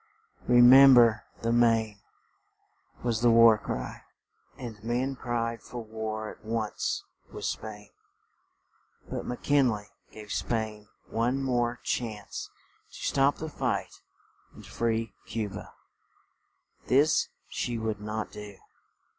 "Re mem ber the Maine," was the war cry; and men cried for war at once with Spain. But Mc Kin ley gave Spain one more chance to stop the fight and free Cu ba; this she would not do.